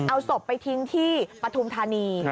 เอาศพไปทิ้งที่ปฐุมธานี